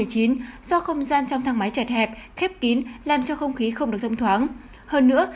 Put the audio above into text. do không gian trong thang máy chật hẹp khép kín làm cho không khí không được thông thoáng hơn nữa